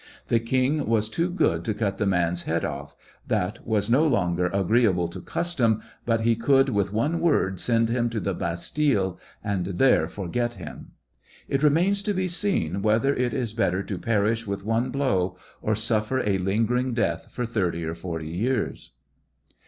The king was too good to cut the man's head off; "that was no longer agreea . ble to custom ; but he eould with one word send him to the Bastile, and there forget him. It remains to be seen whether it is better to perish with one blow, or suffer a lingering death for thirty or forty years."